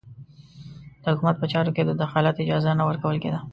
د حکومت په چارو کې د دخالت اجازه نه ورکول کېده.